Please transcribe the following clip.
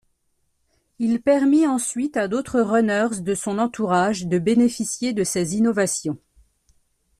Il permit ensuite à d’autres runners de son entourage de bénéficier de ces innovations.